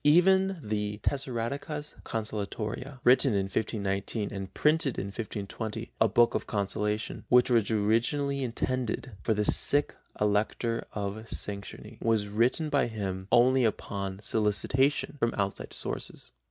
Even the Tessaradecas consolatoria, written in 1519 and printed in 1520, a book of consolation, which was originally intended for the sick Elector of Saxony, was written by him only upon solicitation from outside sources.